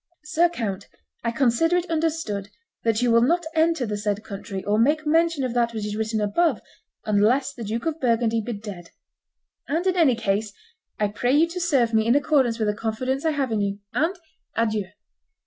Sir Count, I consider it understood that you will not enter the said country, or make mention of that which is written above, unless the Duke of Burgundy be dead. And, in any case, I pray you to serve me in accordance with the confidence I have in you. And adieu!"